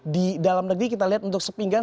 di dalam negeri kita lihat untuk sepinggang